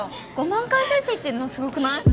５万回再生いってるのすごくない？